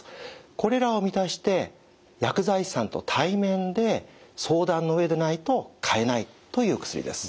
これらを満たして薬剤師さんと対面で相談の上でないと買えないという薬です。